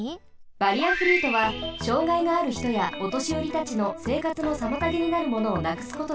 バリアフリーとは障害があるひとやおとしよりたちのせいかつのさまたげになるものをなくすことです。